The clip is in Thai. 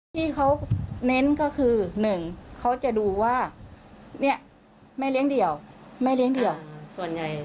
ที่เขาเน้นก็คือหนึ่งเขาจะดูว่าเนี่ยแม่เลี้ยงเดี่ยวแม่เลี้ยงเดี่ยวส่วนใหญ่